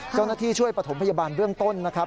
เจ้าหน้าที่ช่วยประถมพยาบาลเบื้องต้นนะครับ